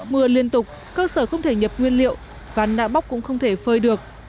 mưa liên tục cơ sở không thể nhập nguyên liệu văn đã bóc cũng không thể phơi được